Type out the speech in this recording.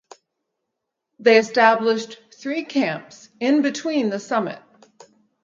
They established three camps in between the summit.